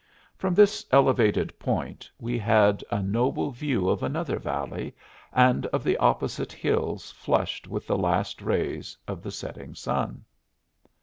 From this elevated point we had a noble view of another valley and of the opposite hills flushed with the last rays of the setting sun.